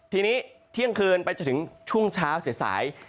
ทีนี้เที่ยงคืนไปจนถึงช่วงเช้าสาย